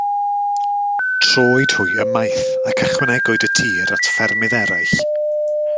Trowyd hwy ymaith ac ychwanegwyd y tir at ffermydd eraill.